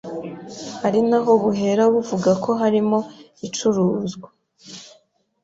ari naho buhera buvuga ko harimo icuruzwa